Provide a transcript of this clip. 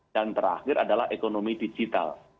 dan terakhir adalah ekonomi digital